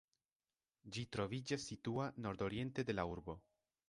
Ĝi troviĝas situa nordoriente de la urbo.